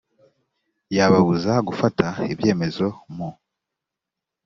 yababuza gufata ibyemezo mu